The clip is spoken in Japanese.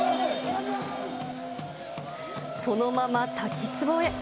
そのまま滝つぼへ。